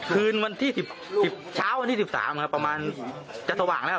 คืนวันที่๑๐เช้าวันที่๑๓ครับประมาณจะสว่างแล้ว